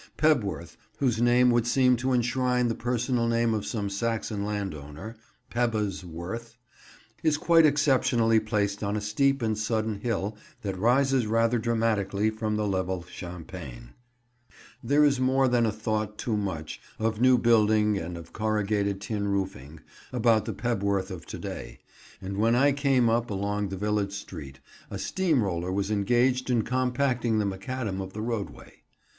Pebworth, whose name would seem to enshrine the personal name of some Saxon landowner—"Pebba's weorth"—is quite exceptionally placed on a steep and sudden hill that rises rather dramatically from the level champaign. [Picture: Piping Pebworth] There is more than a thought too much of new building and of corrugated tin roofing about the Pebworth of to day, and when I came up along the village street a steam roller was engaged in compacting the macadam of the roadway.